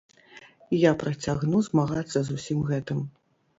Я працягну змагацца з усім гэтым.